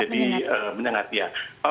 jadi menyengat ya